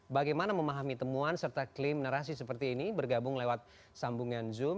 bagaimana memahami temuan serta klaim narasi seperti ini bergabung lewat sambungan zoom